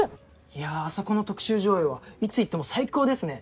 いやあそこの特集上映はいつ行っても最高ですね。